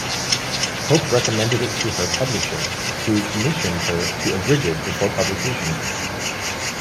Pope recommended it to her publisher, who commissioned her to abridge it before publication.